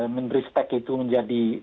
men respect itu menjadi